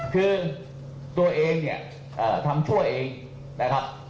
คือตัวเองเนี่ยทำชั่วเองนะครับ